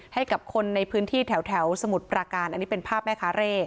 ให้กับคนในพื้นที่แถวสมุทรปราการอันนี้เป็นภาพแม่คาเร่